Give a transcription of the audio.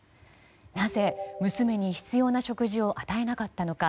なぜ娘に必要な食事を与えなかったのか。